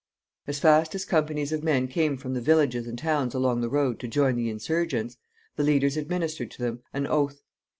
As fast as companies of men came from the villages and towns along the road to join the insurgents, the leaders administered to them an oath.